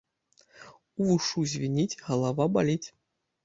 Увушшу звініць, галава баліць.